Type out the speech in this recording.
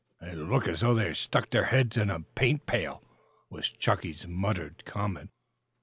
"They look as though they'd stuck their heads in a paint pail," was Chunky's muttered comment.